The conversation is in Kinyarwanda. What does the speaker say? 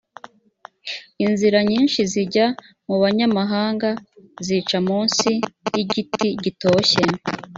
inzira nyinshi zijya mu banyamahanga zica mu munsi y igiti gitoshye